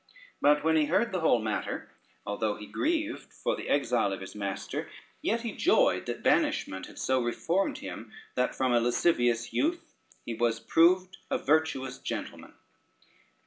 But when he heard the whole matter, although he grieved for the exile of his master, yet he joyed that banishment had so reformed him, that from a lascivious youth he was proved a virtuous gentleman.